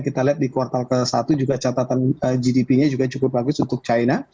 kita lihat di kuartal ke satu juga catatan gdp nya juga cukup bagus untuk china